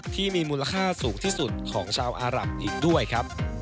ที่มีมูลค่าสูงที่สุดของชาวอารับอีกด้วยครับ